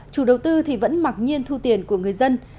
chủ đầu tư vẫn mặc nhiên thu tiền của người dân